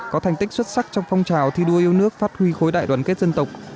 có thành tích xuất sắc trong phong trào thi đua yêu nước phát huy khối đại đoàn kết dân tộc